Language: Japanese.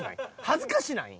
恥ずかしない？